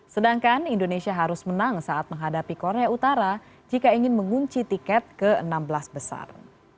sedangkan indonesia harus menang saat menghadapi korea utara jika ingin mengunci tiket ke enam belas besar